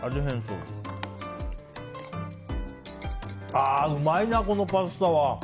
ああ、うまいな、このパスタは。